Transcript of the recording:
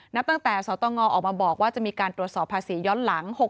นับตั้งแต่สตงออกมาบอกว่าจะมีการตรวจสอบภาษีย้อนหลัง